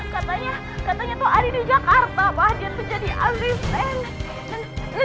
katanya katanya tuh ari di jakarta dia tuh jadi asisten